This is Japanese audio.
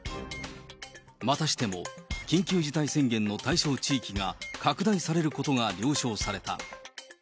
またしても、緊急事態宣言の対象地域が拡大されることが了承された。